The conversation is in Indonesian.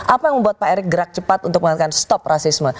itu buat pak erik gerak cepat untuk mengatakan stop rasisme